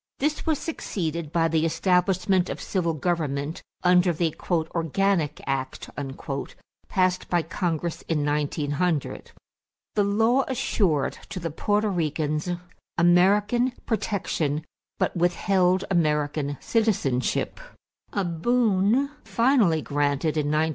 This was succeeded by the establishment of civil government under the "organic act" passed by Congress in 1900. The law assured to the Porto Ricans American protection but withheld American citizenship a boon finally granted in 1917.